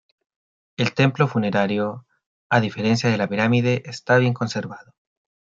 El templo funerario, a diferencia de la pirámide, está bien conservado.